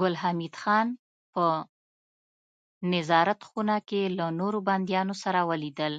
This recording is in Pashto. ګل حمید خان په نظارت خونه کې له نورو بنديانو سره ولیدل